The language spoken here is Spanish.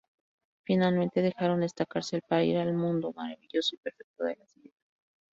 Finalmente dejaron esta cárcel para ir al mundo maravilloso y perfecto de las Ideas.